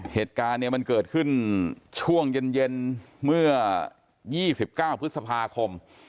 เหตุการณ์เนี่ยมันเกิดขึ้นช่วงเย็นเมื่อ๒๙พฤษภาคม